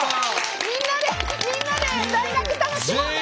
みんなでみんなで大学楽しもうね。